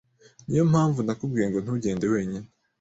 Niyo mpamvu nakubwiye ngo ntugende wenyine.